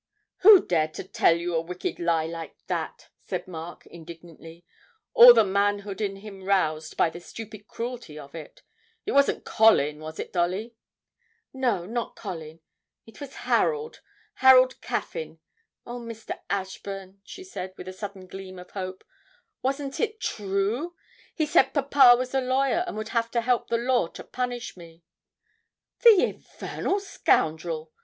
'Who dared to tell you a wicked lie like that?' said Mark indignantly, all the manhood in him roused by the stupid cruelty of it. 'It wasn't Colin, was it, Dolly?' 'No, not Colin; it was Harold Harold Caffyn. Oh, Mr. Ashburn,' she said, with a sudden gleam of hope, 'wasn't it true? He said papa was a lawyer, and would have to help the law to punish me ' 'The infernal scoundrel!'